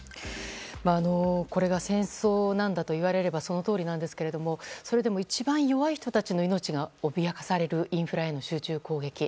これが、戦争なんだと言われればそのとおりなんですがそれでも一番弱い人たちがその命を脅かされるインフラへの集中攻撃。